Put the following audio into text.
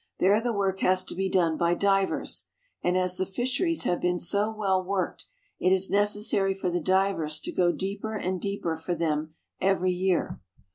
There the work has to be done by divers, and as the fisheries have been so well worked, it is necessary for the divers to go deeper and deeper for them every year.